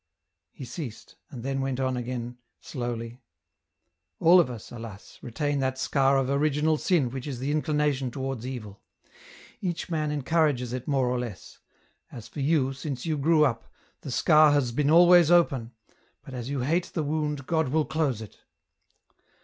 He ceased, and then went on again, slowly, " All of us, alas ! retain that scar of original sin which is the inclination towards evil ; each man encourages it more or less ; as for you, since you grew up, the scar has been always open, but as you hate the wound God will close it.